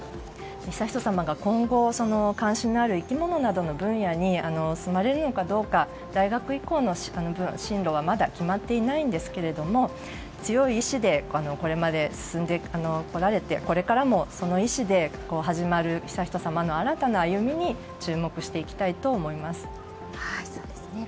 悠仁さまが今後関心のある生き物の分野に進まれるのかどうか大学以降の進路はまだ決まっていないんですけど強い意思でこれまで進んでこられてこれからもその意思で始まる悠仁さまの新たな歩みに注目していきたいと思います。